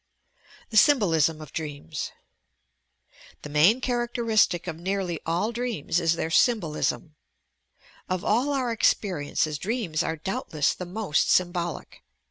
THE SYMBOLISM OP DREAMS The main characteristic of nearly all dreams is their symbolUm. Of all our experiences, dreams are doubt less the most symbolic.